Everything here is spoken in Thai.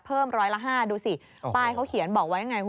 เพิ่มร้อยละ๕ดูสิป้ายเขาเขียนบอกว่าอย่างไร